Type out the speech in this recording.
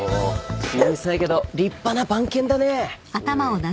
小さいけど立派な番犬だね。